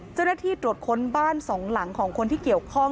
เจ้าหน้าที่ตรวจค้นบ้านสองหลังของคนที่เกี่ยวข้อง